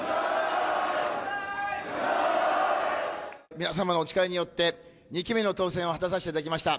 皆様のお力によって２期目の当選を果たさせていただきました。